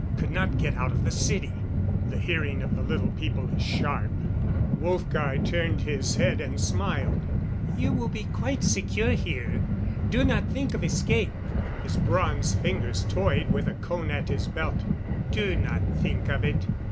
Could not get out of the city " The hearing of the Little People is sharp. Wolfgar turned his head and smiled. "You will be quite secure here do not think of escape." His bronzed fingers toyed with a cone at his belt. "Do not think of it."